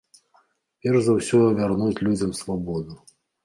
Перш за ўсё вярнуць людзям свабоду.